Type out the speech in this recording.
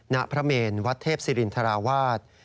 ณพระเมนวัดเทพศิรินทราวาส